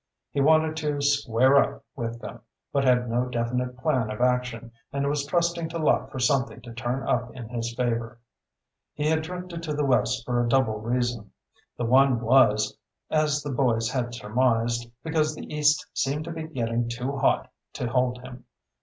He wanted to "square up" with them, but had no definite plan of action, and was trusting to luck for something to turn up in his favor. He had drifted to the West for a double reason. The one was, as the boys had surmised, because the East seemed to be getting too hot to hold him.